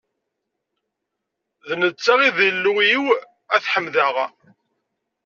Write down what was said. D netta i d Illu-iw, ad t-ḥemdeɣ.